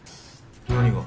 何が？